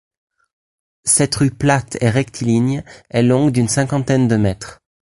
Cette rue plate et rectiligne est longue d'une cinquantaine de mètres.